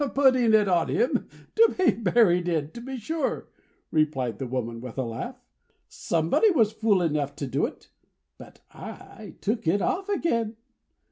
"Putting it on him to be buried in, to be sure," replied the woman with a laugh. "Somebody was fool enough to do it, but I took it off again.